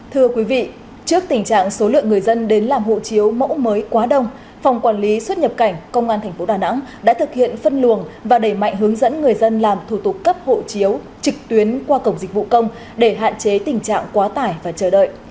thưa quý vị trước tình trạng số lượng người dân đến làm hộ chiếu mẫu mới quá đông phòng quản lý xuất nhập cảnh công an tp đà nẵng đã thực hiện phân luồng và đẩy mạnh hướng dẫn người dân làm thủ tục cấp hộ chiếu trực tuyến qua cổng dịch vụ công để hạn chế tình trạng quá tải và chờ đợi